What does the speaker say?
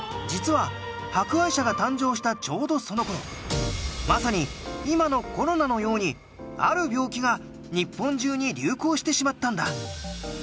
ちょうどその頃まさに今のコロナのようにある病気が日本中に流行してしまったんだ。